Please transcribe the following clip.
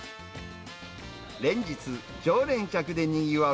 連日、常連客でにぎわう